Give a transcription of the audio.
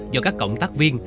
do các cộng tác viên